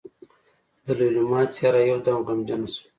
د ليلما څېره يودم غمجنه شوه.